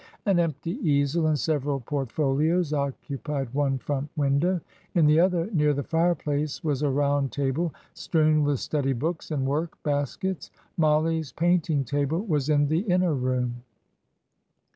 An empty easel and several portfolios occupied one front window; in the other, near the fireplace, was a round table, strewn with study books and work baskets. Mollie's painting table was in the inner room.